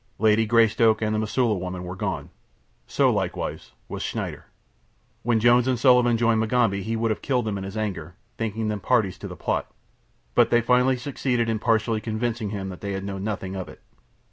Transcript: Lady Greystoke and the Mosula woman were gone. So, likewise, was Schneider. When Jones and Sullivan joined Mugambi he would have killed them in his anger, thinking them parties to the plot; but they finally succeeded in partially convincing him that they had known nothing of it.